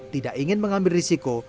tidak ingin mengambil risiko